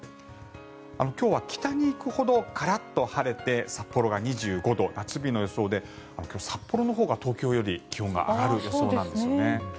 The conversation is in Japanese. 今日は北に行くほどカラッと晴れて、札幌が２５度夏日の予想で今日は札幌のほうが東京より気温が上がる予想なんですね。